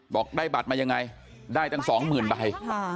บอกได้บัตรมายังไงได้ตั้งสองหมื่นใบ